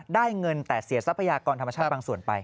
ได้เงินแต่เสียทรัพยากรธรรมชาติบางส่วนไป